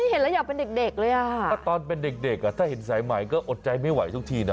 เห็นแล้วอยากเป็นเด็กเลยอ่ะก็ตอนเป็นเด็กอ่ะถ้าเห็นสายใหม่ก็อดใจไม่ไหวทุกทีนะ